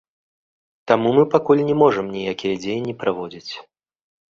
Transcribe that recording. Таму мы пакуль не можам ніякія дзеянні праводзіць.